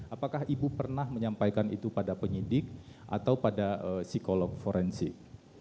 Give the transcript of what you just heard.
apakah ibu pernah menyampaikan itu pada penyidik atau pada psikolog forensik